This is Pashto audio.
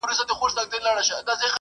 ټولنه د وخت په تېرېدو بدلیږي.